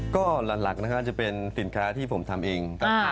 ก็หลักนะครับจะเป็นสินค้าที่ผมทำเอง